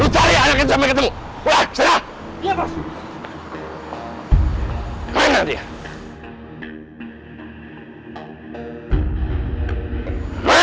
lu cari anak itu sampai ketemu